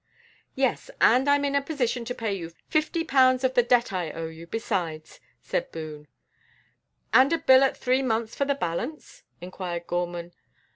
"Yes, and I'm in a position to pay you fifty pounds of the debt I owe you besides," said Boone. "And a bill at three months for the balance?" inquired Gorman.